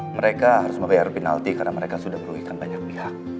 mereka harus membayar penalti karena mereka sudah merugikan banyak pihak